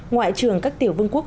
ngoại trưởng các tiểu vương quốc